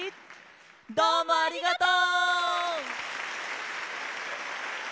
どうもありがとう！